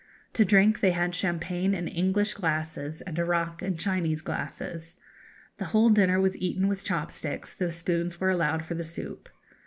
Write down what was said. To drink, they had champagne in English glasses, and arrack in Chinese glasses. The whole dinner was eaten with chop sticks, though spoons were allowed for the soup.